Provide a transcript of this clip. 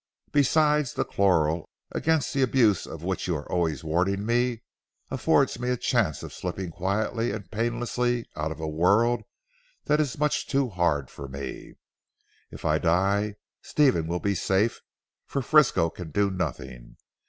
Besides the chloral, against the abuse of which you are always warning me, affords me a chance of slipping quietly and painlessly out of a world that is much too hard for me. If I die, Stephen will be safe, for Frisco can do nothing.